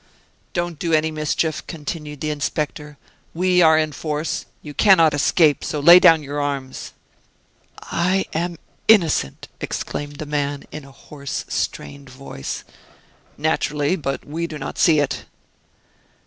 "Don't do any mischief," continued the inspector, "we are in force, you can not escape; so lay down your arms." "I am innocent," exclaimed the man, in a hoarse, strained voice. "Naturally, but we do not see it."